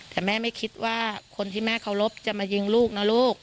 แต่แม่ไม่คิดว่าคนที่แม่เคารพจะมายิงลูกนะลูก